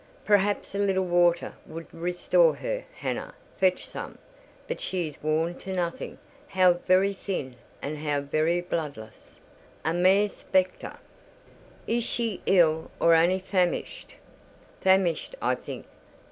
"Perhaps a little water would restore her. Hannah, fetch some. But she is worn to nothing. How very thin, and how very bloodless!" "A mere spectre!" "Is she ill, or only famished?" "Famished, I think.